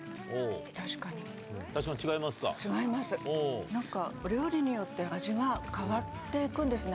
確かに違いますか？